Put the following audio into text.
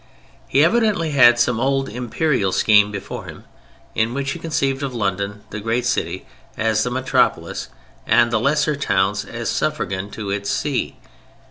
He evidently had some old imperial scheme before him, in which he conceived of London, the great city, as the Metropolis and the lesser towns as suffragan to its See.